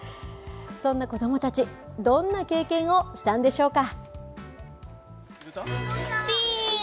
そんな子どもたちどんな経験をしたんでしょうか。